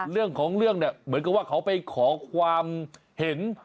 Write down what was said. เรื่องของเรื่องเนี่ยเหมือนกับว่าเขาไปขอความเห็น